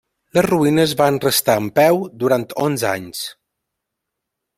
Les ruïnes van restar en peu durant onze anys.